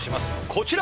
こちら！